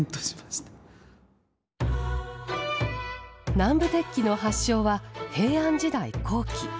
南部鉄器の発祥は平安時代後期。